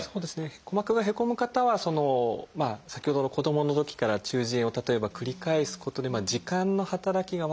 鼓膜がへこむ方は先ほどの子どものときから中耳炎を例えば繰り返すことで耳管の働きが悪くなる。